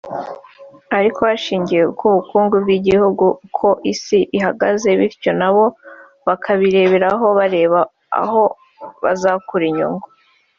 ariko hashingiwe ku bukungu bw’igihugu n’uko isi ihagaze bityo na bo bakabiheraho bareba aho bazakura inyungu